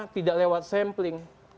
tidak lewat sampling